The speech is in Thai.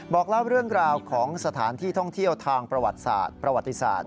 บอกเล่าเรื่องราวของสถานที่ท่องเที่ยวทางประวัติศาสตร์ประวัติศาสตร์